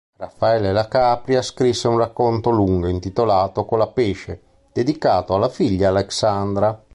Raffaele La Capria scrisse un racconto lungo intitolato "Colapesce" dedicato alla figlia Alexandra.